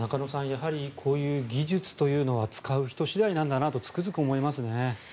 やはりこういう技術というのは使う人次第なんだなとつくづく思いますね。